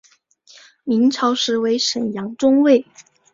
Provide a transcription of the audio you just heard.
明朝时为沈阳中卫。